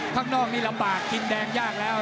ข้างนอกนี่ลำบากกินแดงยากแล้ว